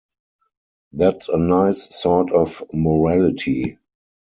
That's a nice sort of morality.